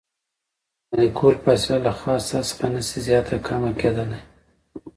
د مالیکول فاصله له خاص حد څخه نشي زیاته کمه کیدلی.